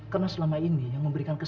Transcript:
karena selalu aku berharap